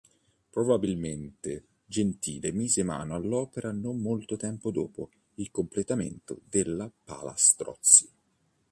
Probabilmente Gentile mise mano all'opera non molto tempo dopo il completamento della "Pala Strozzi".